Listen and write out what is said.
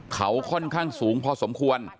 เขาค่อนข้างสูงพอสมควร